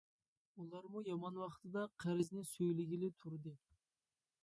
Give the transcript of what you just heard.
ئۇلارمۇ يامان ۋاقتىدا قەرزنى سۈيلىگىلى تۇردى.